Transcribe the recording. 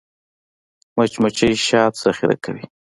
مچمچۍ شات ذخیره کوي